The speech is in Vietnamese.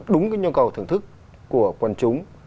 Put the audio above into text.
đúng cái nhu cầu thưởng thức của quần chúng